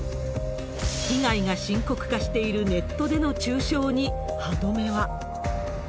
被害が深刻化しているネットでの中傷に歯止めは。